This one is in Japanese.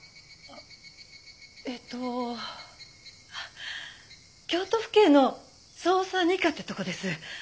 えっと京都府警の捜査二課ってとこです。